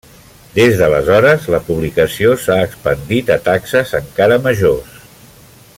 Des d'aleshores, la publicació s'ha expandit a taxes encara majors.